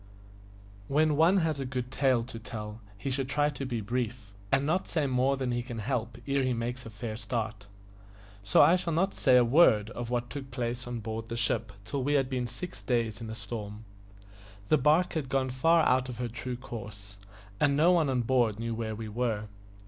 WHEN one has a good tale to tell, he should try to be brief, and not say more than he can help ere he makes a fair start; so I shall not say a word of what took place on board the ship till we had been six days in a storm. The barque had gone far out of her true course, and no one on board knew where we were.